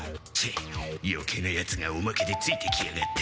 よけいなヤツがおまけでついてきやがった！